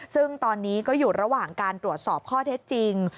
ซึ่งตอนนี้ก็อยู่ระหว่างการตรวจสอบข้อเท็จจริง